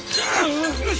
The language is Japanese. よし。